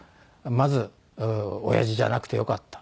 まず親父じゃなくてよかった